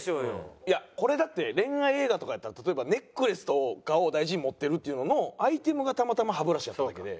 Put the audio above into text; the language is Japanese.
いやこれだって恋愛映画とかやったら例えばネックレスとかを大事に持ってるっていうののアイテムがたまたま歯ブラシやっただけで。